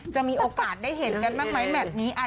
จะมีโอกาสได้เห็นแบบนี้ไหม